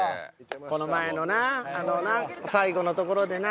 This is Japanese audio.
この前のなあのな最後のところでな。